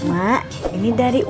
mak ini dari uang